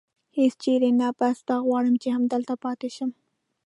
هېڅ چېرې نه، بس دا غواړم چې همدلته پاتې شم.